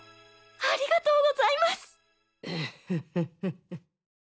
ありがとうございます！ハハハ。